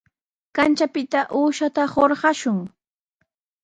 Kanchapita uushata hurqashun.